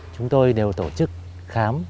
chúng tôi đều tổ chức khám